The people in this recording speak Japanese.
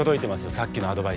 さっきのアドバイス。